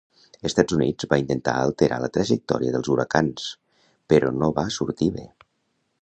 Estats Units va intentar alterar la trajectòria dels huracans però no va sortir bé